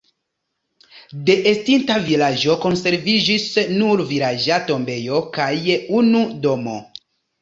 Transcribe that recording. De estinta vilaĝo konserviĝis nur vilaĝa tombejo kaj unu domo.